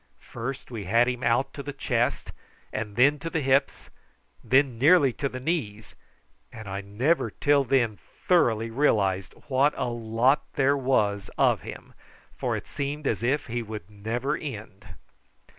First we had him out to the chest, then to the hips, then nearly to the knees, and I never till then thoroughly realised what a lot there was of him, for it seemed as if he would never end.